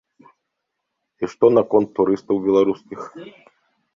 І што наконт турыстаў беларускіх?